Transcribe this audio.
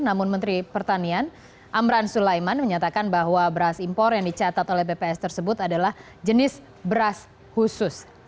namun menteri pertanian amran sulaiman menyatakan bahwa beras impor yang dicatat oleh bps tersebut adalah jenis beras khusus